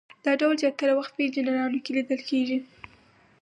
دا ډول زیاتره وخت په انجینرانو کې لیدل کیږي.